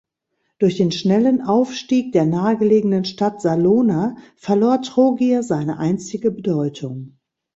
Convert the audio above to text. Durch den schnellen Aufstieg der nahegelegenen Stadt Salona verlor Trogir seine einstige Bedeutung.